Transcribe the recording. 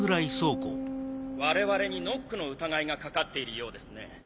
・我々にノックの疑いがかかっているようですね・